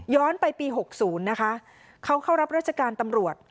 ย้อนไปปี๖๐เขาเข้ารับราชการตำรวจ